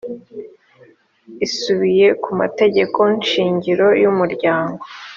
isubiye ku mategeko shingiro y’umuryango